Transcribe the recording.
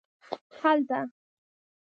هلته